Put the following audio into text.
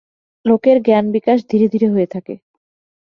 লোকের জ্ঞানবিকাশ ধীরে ধীরে হয়ে থাকে।